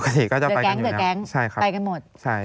เดี๋ยวแก๊งไปกันหมด